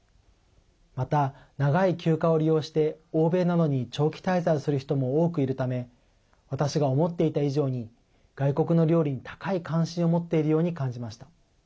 また、長い休暇を利用して欧米などに長期滞在をする人も多くいるため私が思っていた以上に外国の料理に高い関心を持っているように感じました。